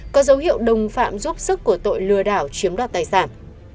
có dấu hiệu đồng phạm giúp sức của tội lừa đảo chiếm đoạt tài sản